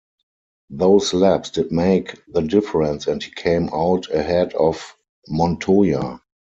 Those laps did make the difference and he came out ahead of Montoya.